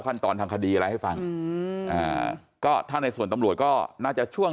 ขั้นตอนทางคดีอะไรให้ฟังอืมอ่าก็ถ้าในส่วนตำรวจก็น่าจะช่วง